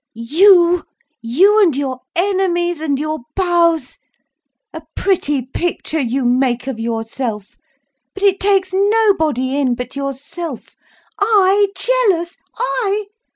"You! You and your enemies and your bows! A pretty picture you make of yourself. But it takes nobody in but yourself. I _jealous! I!